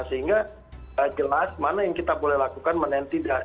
sehingga jelas mana yang kita boleh lakukan mana yang tidak